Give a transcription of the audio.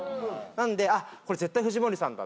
なのでこれ絶対藤森さんだ。